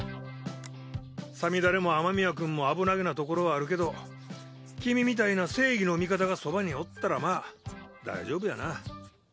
さみだれも雨宮君も危なげなところはあるけど君みたいな正義の味方がそばにおったらまあ大丈夫やな。